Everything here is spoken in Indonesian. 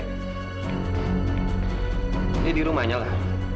ini dirumahnya lah